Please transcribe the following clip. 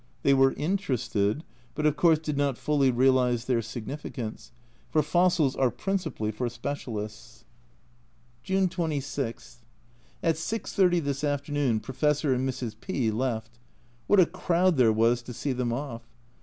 They were interested, but of course did not fully realise their significance, for fossils are principally for specialists. (c 128) N 178 A Journal from Japan June 26. At 6.30 this afternoon Professor and Mrs. P left. What a crowd there was to see them off!